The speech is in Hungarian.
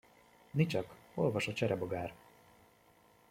Nicsak, olvas a cserebogár!